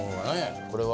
これは。